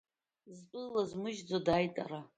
Зтәы ылазмыжьӡоз дааит ара.